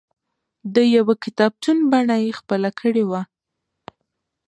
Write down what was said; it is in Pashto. د یوه کتابتون بڼه یې خپله کړې وه.